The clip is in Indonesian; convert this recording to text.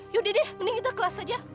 yaudah deh mending kita kelas aja